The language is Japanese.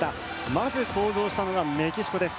まず登場したのがメキシコです。